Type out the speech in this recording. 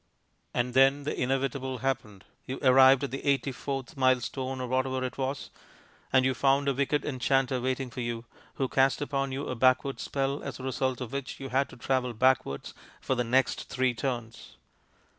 And then the inevitable happened. You arrived at the eighty fourth milestone (or whatever it was) and you found a wicked enchanter waiting for you, who cast upon you a backward spell, as a result of which you had to travel backwards for the next three turns.